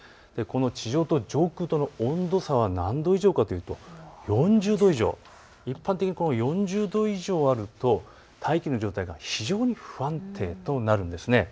地上と上空との温度差は何度以上かというと４０度以上、一般的に４０度以上あると大気の状態が非常に不安定となるんです。